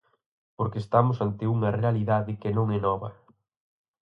Porque estamos ante unha realidade que non é nova.